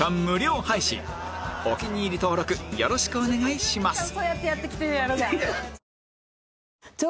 お気に入り登録よろしくお願いします